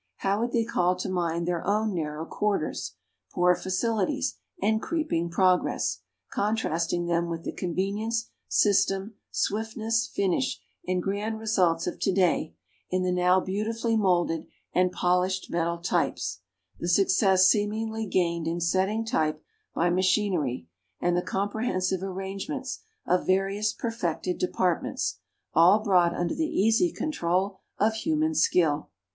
How would they call to mind their own narrow quarters, poor facilities, and creeping progress, contrasting them with the convenience, system, swiftness, finish, and grand results of to day, in the now beautifully moulded and polished metal types, the success seemingly gained in setting type by machinery, and the comprehensive arrangements, of various perfected departments, all brought under the easy control of human skill!